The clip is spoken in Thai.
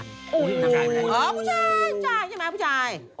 อ๋อผู้ชายใช่ไหมผู้ชาย